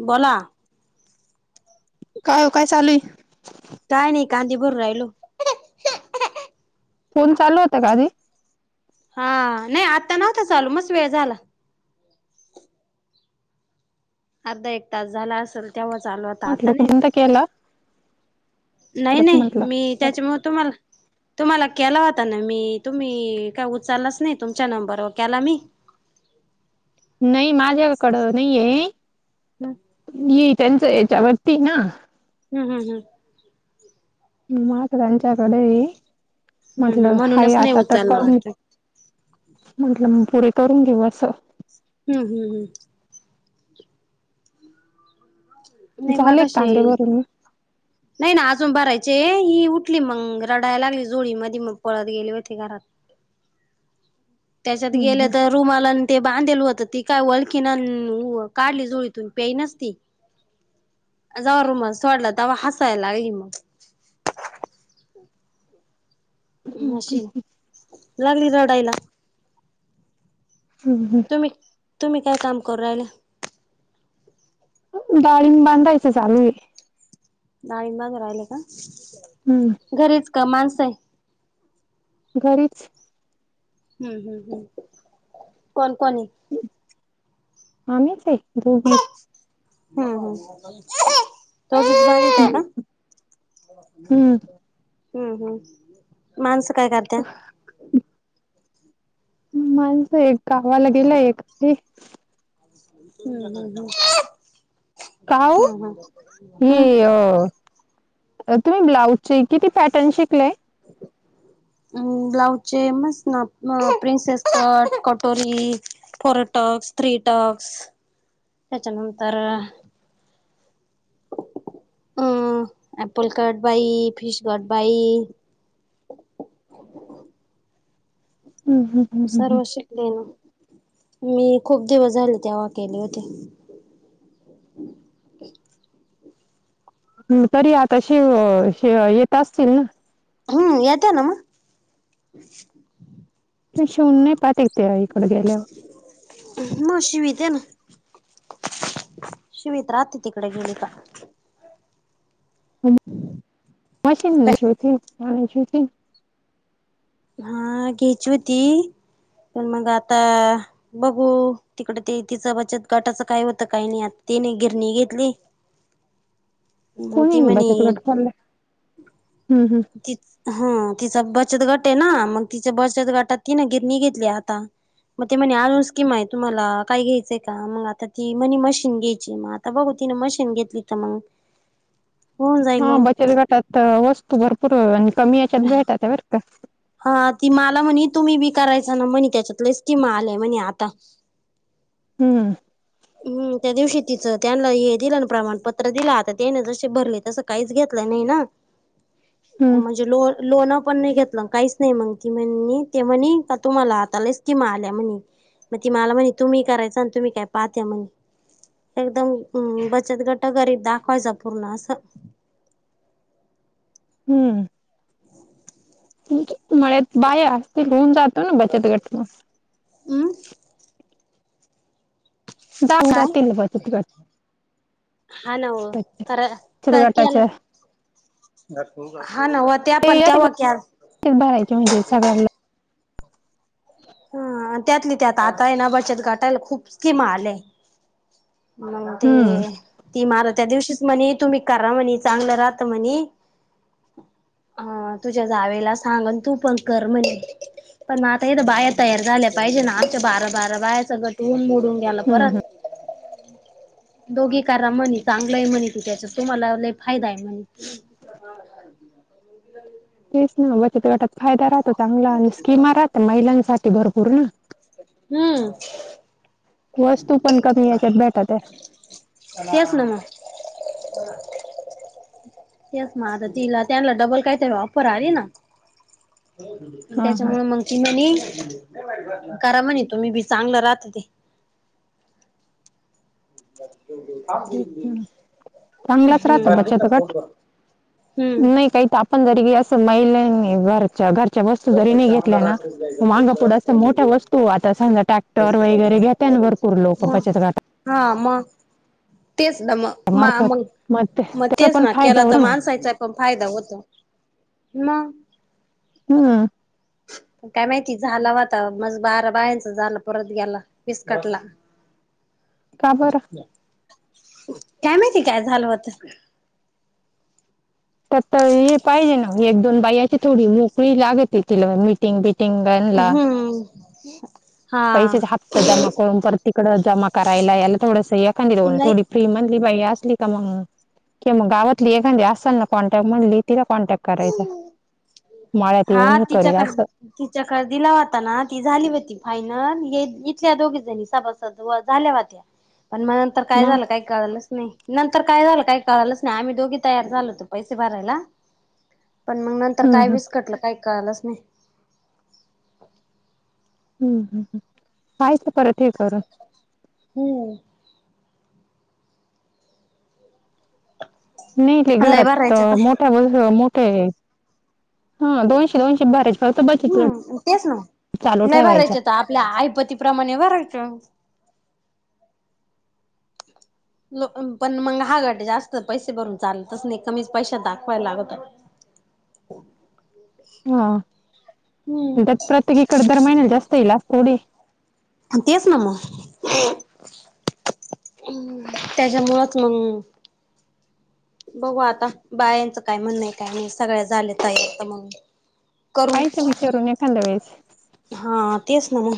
बोला. काय काय चालूय काय नाही कांदीपूर राहिलो फोन चालू होते काधी हा नाही आता नव्हता चालू मस् वेळ झाला अर्धा एक तास झाला असेल तेव्हा चालू होता आता म्हटलं नाही. कुठंत केला नाही परत नाही म्हटलं मी त्याच्यामुळेतो मला तुम्हाला केला होता ना मी तुम्ही काय उचललाच नाही तुमच्या नंबरवर केला मी नाही माझ्याकडं नाही आहे हम्म ही त्यांचं याच्यावरती ना हम्, हम, हंम. मग त्यांच्याकडे,, हम्म हम्म म्हटलं हाई म्हणूनच नाही आता तर उचलला करून वाटतं. म्हटल पुढे करून घेऊ असं. हम्म, हम्, हम्. हम्, झाले कांदेभरून मी, नाही ना अजून भरायचे,, ही उठली मग रडायला लागली जोळी मधी, मग पळत गेले होते घरातऽ त्याच्यात गेले हम्म तर रुमाला ते बांधल होतं ती काय वळखीन काढली जुळीतून प्याय नस त. ह. व रूमज सोडला त हसायलाग मग हम्म अशी लागली रडायला हम्म तुम्ही तुम्ही काय काम करू राहिल. डाळींग बांधायचं चालू आहे. ना इ माझ राहिले का? हम्म. घरीच का माणस आहे. घरीच हम् हम् हम् कोण कोन? आम्हीच आहे दोबी हम्म हम्. त क का का? हम्म हम्म हम् माणसं काय करत्या. माणसं एक गावाला गेलाय एक. हम्म हम् हम्. काऊ हम्म ये. तुम्ही ब्लाऊजचे किती पॅटर्न शिकलेय. अ ब्लाउजचे मस ना प्रिन्सेस कट कटोरी फोर टॉक्स थ्री टॉक्स त्याच्यानंतर अ अप्पल कारड बाई फिश कारट बाई. हम् हम. सर्व शिकले ना मी खूप दिवस झाले तेव्हा केले होते. तरी आता शि येत असतील ना. हम्म येत्या ना मग शिव् नाही पक त्या इकडडे गेल्यावर म शिवित आहे ना शिवत राहते तिकडे गेली का? मशीन शती पा सुती हा घ्यायची होती पण मग आता बघू तिकडे ते तिचं बचत गटाचं काय होतं काही नाही आता त नाही गिरणी घेतली. कोणी ती बच तु काट म्हणे खला हम्म हम्म. ति हा तिचा बचत गट आहे ना मग तिच्या बचत गटात ती ना घे निघेतली आता मग ते म्हणे अजून स्कीम आहे तुम्हाला काय घ्यायचंय का मग आता ती म्हणे मशीन घ्यायची मग बघ होती ना मशीन घेतली तर मग [unintelligible] होऊन जाईल हा मग बचत गटात वस्तू भरपूर आणि कमी याच्यात भेटतात बर का? हा ती मला म्हणे तुम्ही बी करायचा ना म्हणे त्याच्यातलेच किमा आलेय म्हणे आता हम्म. हम् त्या दिवशी तिचं त्यांना हे दिलं ना प्रमाणपत्र दिलं आता त्याने जसे भरले तसं काहीच घेतलंय नाही ना. [unintelligible] म्हणजे लो लोणं पण नाही घेतलं. काहीच नाही मग ती म्ह ते म्हणे का तुम्हाला आतालाच किमा आल्या म्हणे. मग ती मला म्हणे तुम्ही करायचं आणि तुम्ही काय पाहत्या म्हणे एकदम बचत गट गरीब दाखवायचा पूर्ण असं हम्म मळ बाया होऊन जातो ना बचत गट म हम्म दहादा काय तन बचतट हा नव तररा बचत का केला. गटाच्या हा ना व ते आपण तेव्हा क चरायचे म्हणजे सगळ्यांला हा त्यातली त्यात आता आहे ना बचत घाटायला खूप स्कीम आलेय मग ते हम्म ती मार त्या दिवशीच म्हणे तुम्ही करा म्हणे चांगलं राहत म्हणे ह तुझ्या जावेला सांगन तू पण कर म्हणे पण मग आता येत बाया तयार झाल्या पाहिजे ना आमच्या बारं बारं बाय सगळं टवून मोडून गेलं हम्म परत दोघी कार म्हणे चांगलं आहे म्हनी त त्याचा तुम्हालाला फायदा आहे म्हणे तेच ना बचत गटात फायदा राहतो चांगला आणि स्कीमा राहत महिलांसाठी भरपूर ना हम्म वस्तू पण कमी याच्यात भेटत आहे तेस ना म तेस म आता तिला त्यांला डबल काहीतरी ऑफर आली ना हा हा त्याच्यामु मग कि मनी करा म्हणे तुम्ही बी चांगलं राहत ते ह चांगलाच राहत हम्म बचत कट नाही काही पणंदरी असं महिला बर घरच्या वस्तू जरी नाही घेतल्या ना माांगा पुढ अस मोठ्या वस्तू आता समजा टा ट्टर वगैरे घेत आणि भरपूर लोक ह बचत गटात हा मग तेच ना मग मार्फत मग ते मग त्याचा तेच पण ना फायदा केला तर होतो ना माणसायचा कण फायदा होत म हम काय माहिती झाला वा आता म बारा बायांचं झालं परत गेला विस्कटला [unintelligible] काय माहिती काय झालं होत तर तर हे पाहिजे ना एक दोन बायाची थोडी मोकळी लागते तिला मिी मटिंग पिटिंगन हम्म हा पैसे हा्तात जमा करून पर तिकडं जमा करायला याला थोडंसं एखां देऊ नाही थोडी फ्री म्हली बा असली का मग किंग गावातली एखादी असाल ना कॉन्टॅक्ट म्हटली तिला कॉन्टॅक्ट करायचा माळ्यात येऊन हे करू असं तिच्याक दिलावता ना ती झाली होती फायनल इथल्या दोघी जणी सज झाल्या त्या पण म नंतर काय मग झालं का का कळालच नाही नंतर काय झालं काही कळालंच नाही आम्ही दोघी तयार झाल होतो पैसे भरायला पण मग नंतर हम्म काय हम्म विस्कटलं काही कळालंच नाही हम्म हम्म हम् कायच परत हे करून हम्म नाही ते लय घरात भरायचं मोठ्याजू मोठे हा दोनशे दोनशे बरेच फवत बचितलं हम्म तेच ना चालू नाही ठेवायचा भरायचे तर आपल्या आईपतीप्रमाणे वर लो पण मग हा घट जास्त पैसे भरून चाल तस नाही कमीच पैशा दाखवायला लागत हा हम्म प्रत्येकी इकडे दर महिन्याला जास्त येईल अस थोडी तेच ना मग त्याच्यामुळंच मग बघू आता बायांचं काय म्हण काय नाहीी सगळ्या झाले त या म्हणून करून पाहायचं विचारून एखाद्या वेळेस हा तेच ना मग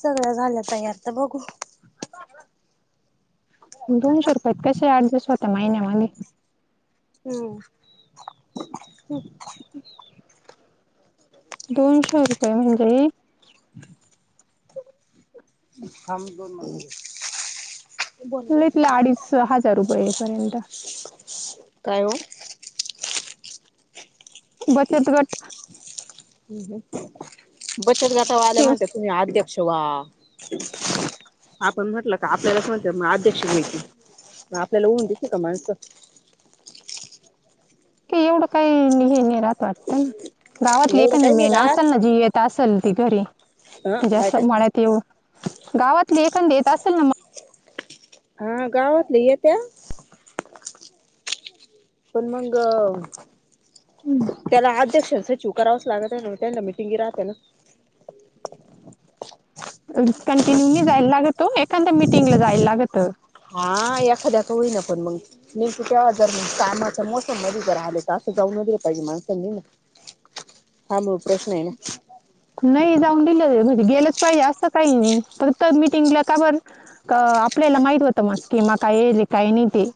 सगळं झालं तयार तर बघू दोनशे रुपयात कसे आठ दिवस होत महिन्यामध्येग हम् दोनशे रुपये म्हणजे हम् अहमदल इथले अडीच हजार रुपये ये पर्यंत काय हो बचत गट ह् बचत जाता आल्या स्कीम म्हणते आद्यक्षवा आपण म्हटलं का आपल्यालाच म्हणत मग अध्यक्ष मा्याती मग आपल्याला ऊन दे का माणसं एवढं काही हे नाही राहत वाटतं ना गावातली एवढं एखा काही नाही मेन राहत असल ना जीेत असल ती घरी हा म्हणजे काय अस ते? म्हळ्यात येऊ गावातले एंद येत असेल ना हा गावातली येत्या पण मग त्याला अध्यक्ष सचिव करावच लागत आहे ना त्यांना मिटिंगे राहते ना कंटिन्यूली जायला लागतो एखाद मीटिंगला जायला लागत हा एखाद्या कां होईना पण मग मी तेव्हा जर कामाच्या मोसम मध्ये जर आले तर असं जाऊन नलं पाहिजे माणसांनी ना हां मग प्रश्न आहे ना नाही जाऊन दिलं म्हणजे गेलंच पाहिजे असं काही नाही तर तर मीटिंगला काबर अ आपल्याला माहित होतं मस् कि म काय येले काय नाही ते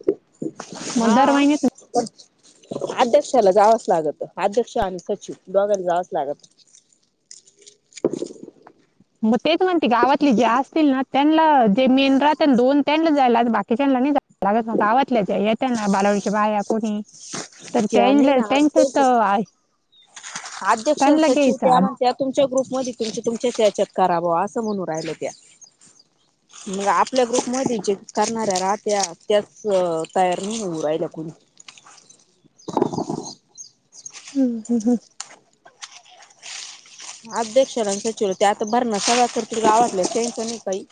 मग हा दर महिन्यात अध्यक्षाला जावंच लागत अध्यक्ष आणि सचिव दोघांना जावंच लागत मग तेच म्हणते गावातले जे असतील ना त्यांना जे मेन राहना दोन त्यां जायला बाकीच्याला नाही लागत ना गावातल्याच येत ना बालाडीच्या बाया कोणी तर त्या नाही त्यां ना त्यांच तर अध्यक्ष त्यांला सचिव घ्यायचं त्या म्हणत्या तुमच्या ग्रुप म तुम तुमच्या याच्यात करावा असं म्हणून राहिल त्या मग आपल्या ग्रुपमध्ये जे करणाऱ्या राहत्या त्याच तयार नाही होऊ राहिल्या कोुणी हम हम ह अध्यक्ष सचिव ते आता भर ना सगळ तर तुझ आवडलं त्यांच नाही काही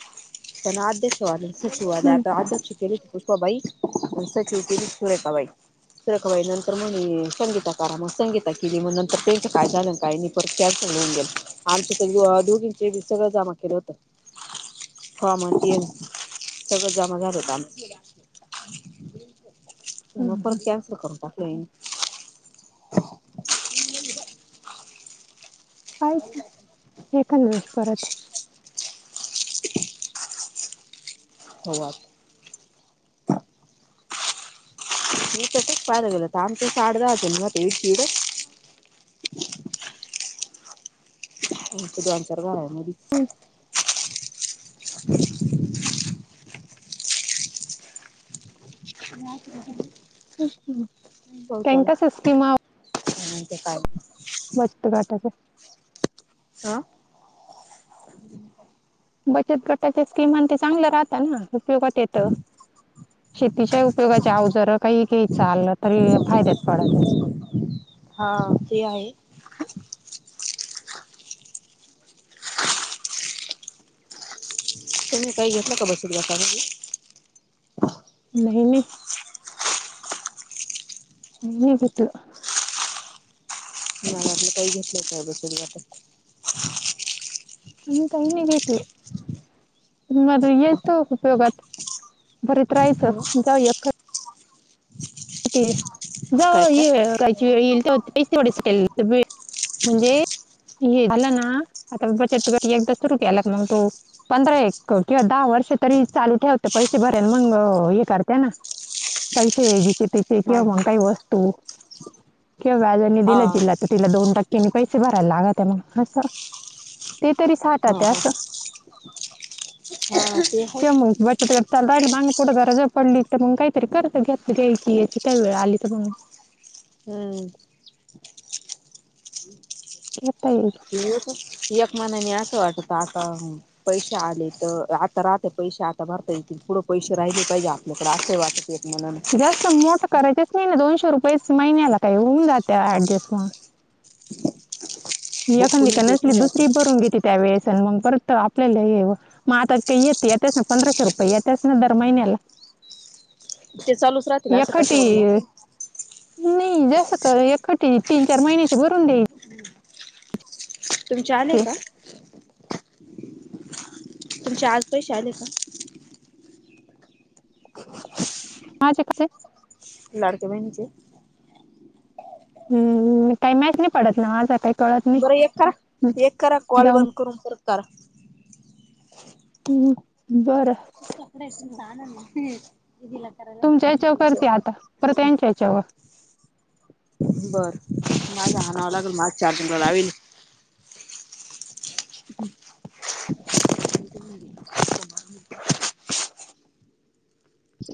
पण आदशवाले सुशूवाले हम्म, आता आ श केली क भाई चकीूता भाई रखवाई नंतर मग संगीता करा मग संगीता केली मग नंतर त्यांच काय झालं काय म परत त्या गेल आमच तर दोघींचे सगळं जमा केलं होत फॉम सगळं जमा झाात होत आम म हम्म. परत कसल करू टाकलं कायच एकंदळेस परत होवा मी तर तेच पाय गलं तम ते साड दल म तेड च दन चारवा मरी त्यांनी बचाल कसं स्कीमा ह ते काय बस्त घाटाचे. हा. बचत गटाच्या स्कीम आणि ते चांगलं राहत ना उपयोगात येत. शेतीच्या उपयोगाच्याव जर काही घ्यायचं आलं तरी फायद्यात पडत. हा ते आहे तर मी काही घेतलं का बसूट नाही नाही ह गत मला आपलं काही घेतलंय का बसरी आणिम् काही म गयेतल येतो उपयोगात भरीत राहायचं जाऊया. ते जा काय काय ये कायची वेळ येईल तर तेवढच केल. म्हणजे हे झालं ना आता बचत एकदा सुरू के आला मग तो पंधरा एक किंवा दहा वर्ष तरी चालू ठेवते पैसे भरेन मग हे करते ना. पैसे याजिचे तिचे किंवा हा मग हा काही वस्तू किंवा व्याजानी हा दिलं जिला तर तिला दोन टक्क्यांनी पैसे भरायला लागा त्या मग असं. ते तरी हा हा सठात अस हा ते आहे मग चाल राहिल मग पुढं गरज पडली तर मग काहीतरी करत घेत घ्यायची याची काही वेळ आली तर मग हम्म. घता ये. एकमानानी असं वाटत आता पैश आले तर आता राहते पैसे आता भरता येतील पुढं पैसे राहिले काहि म आे वा म जास्त मोठं करायचच नाही ना दोनशे रुपये महिन्याला काही होऊन जाते ऍडजस्टमेंट हो एखादी कोणी का देत नसली नाही आता दुसरी भरून घेते त्या वेळेस मग परत आपल्याला येव. मग आता का येत या त्याच ना पंधराशे रुपये याच्याच ना दर महिन्याला ते चालूच राहतील असं क एकखटी शरला नाही जस का एट तीन चार महिन्याचे भरून द्याय. तुमचे आले का? तुमचे आज पैसे आले का? हां कसे? लडक बहिणीचे हम् काही मॅच नाही पडत ना माझा काही कळत नाही बरं एक करा हम्म, एक करा कॉल जाऊन बंद करून कर कर. हम् बरं. सकडे छान नाला तुमच्या या्याच्यावर करते आता पर त्यांच्या याच्यावर बरं माझ्या हनावं लागेल माझ चार्जिंग क लावील. प म्हंद.